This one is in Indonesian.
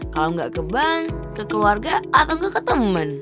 kalau nggak ke bank ke keluarga atau ke teman